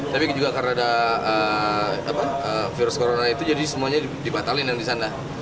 tapi juga karena ada virus corona itu jadi semuanya dibatalin yang di sana